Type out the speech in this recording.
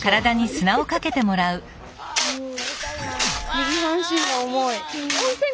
右半身が重い。